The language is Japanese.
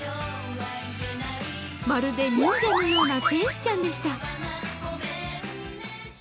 まるで忍者のような天使ちゃんでした。